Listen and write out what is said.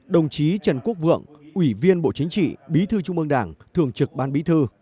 đồng chí trần quốc vượng ủy viên bộ chính trị bí thư trung ương đảng thường trực ban bí thư